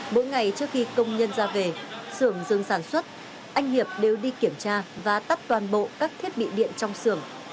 mỗi ngày trước khi công nhân ra về xưởng dừng sản xuất anh hiệp đều đi kiểm tra và tắt toàn bộ các thiết bị điện trong xưởng